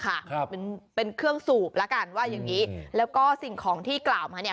ครับเป็นเป็นเครื่องสูบแล้วกันว่าอย่างงี้แล้วก็สิ่งของที่กล่าวมาเนี้ย